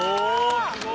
すごい！